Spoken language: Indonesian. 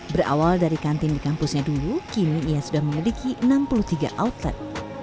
berawal dari kantin di kampusnya dulu kini ia sudah memiliki enam puluh tiga outlet